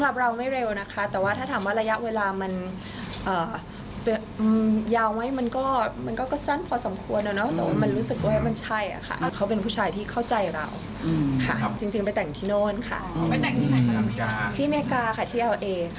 จะมีการจดทะเบียนหรืออะไรไหมคะ